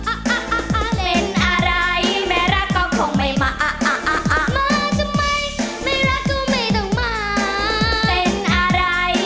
โปรดติดตามตอนต่อไป